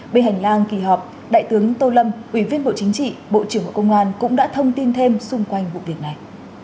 bên hành lang kỳ họp đại tướng tô lâm ủy viên bộ chính trị bộ trưởng bộ công an cũng đã thông tin thêm xung quanh vụ việc này